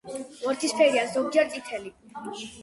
ვარდისფერია, ზოგჯერ წითელი.